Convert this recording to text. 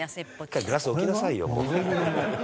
「１回グラス置きなさいよもう」